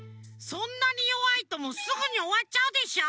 そんなによわいとすぐにおわっちゃうでしょ。